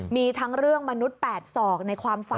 มีทั้งเรื่องมนุษย์๘ศอกในความฝัน